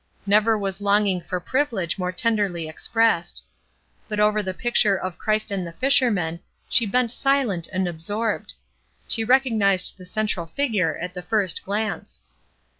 Never was longing for privilege more tenderly expressed. But over the picture of "Christ and the Fishermen" she bent silent and absorbed. She recognized the central figure at the first glance.